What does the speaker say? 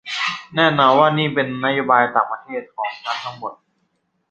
แน่นอนว่านี่เป็นนโยบายต่างประเทศของฉันทั้งหมด